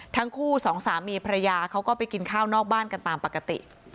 ทั้งคู่สองสามีภรรยาเขาก็ไปกินข้าวนอกบ้านกันตามปกติ